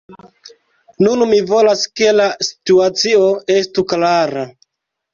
Nun mi volas, ke la situacio estu klara.